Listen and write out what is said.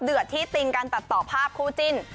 เดือดที่ติงการตัดต่อภาพคู่จิ้น